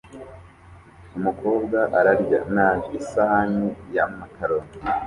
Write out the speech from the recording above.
Umukobwa ararya nabi isahani ya makaroni